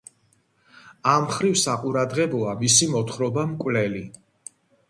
ამ მხრივ საყურადღებოა მისი მოთხრობა „მკვლელი“.